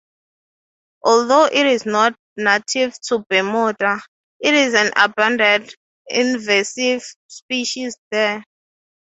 Although it is not native to Bermuda, it is an abundant invasive species there.